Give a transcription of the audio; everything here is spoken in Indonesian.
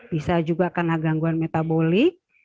bisa juga karena gangguan metaboli